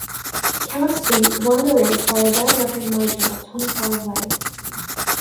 Count Fleet won the race by a then-record margin of twenty-five lengths.